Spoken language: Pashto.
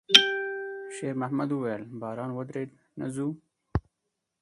شېرمحمد وويل: «باران ودرېد، نه ځو؟»